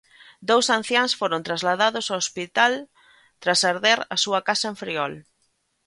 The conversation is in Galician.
Dous anciáns foron trasladados ao hospital tras arder a súa casa en Friol.